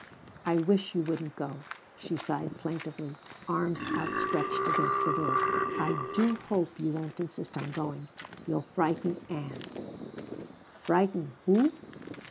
"I wish you wouldn't go," she sighed plaintively, arms outstretched against the door. "I do hope you won't insist on going. You'll frighten Ann." "Frighten _who?